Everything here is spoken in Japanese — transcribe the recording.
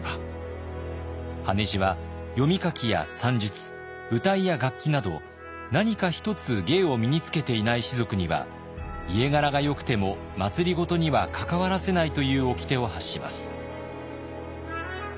羽地は読み書きや算術謡や楽器など何か一つ芸を身につけていない士族には家柄がよくても政には関わらせないというおきてを発します。